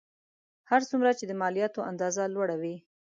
هر څومره چې د مالیاتو اندازه لوړه وي